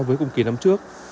các thị trường xuất khẩu chính